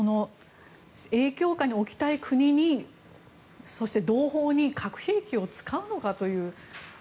影響下に置きたい国にそして、同胞に核兵器を使うのかと。